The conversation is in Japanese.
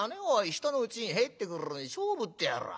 人のうちに入ってくるのに『勝負』ってやらぁ。